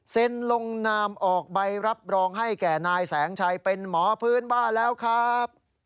ลงนามออกใบรับรองให้แก่นายแสงชัยเป็นหมอพื้นบ้านแล้วครับ